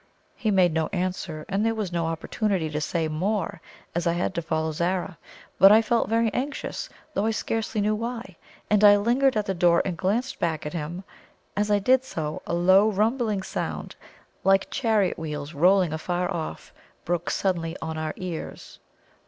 He made no answer, and there was no opportunity to say more, as I had to follow Zara. But I felt very anxious, though I scarcely knew why, and I lingered at the door and glanced back at him. As I did so, a low, rumbling sound, like chariot wheels rolling afar off, broke suddenly on our ears.